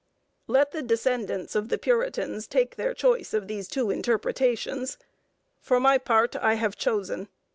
Let the descendants of the Puritans take their choice of these two interpretations. For my part, I have chosen.